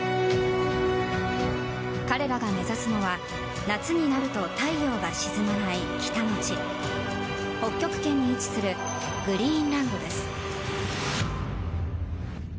彼らが目指すのは夏になると太陽が沈まない北の地、北極圏に位置するグリーンランドです。